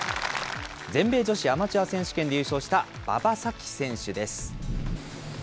全米女子アマチュア選手権で優勝した馬場咲希選手です。